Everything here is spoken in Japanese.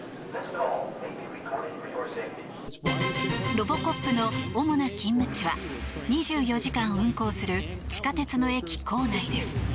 ロボコップの主な勤務地は２４時間運行する地下鉄の駅構内です。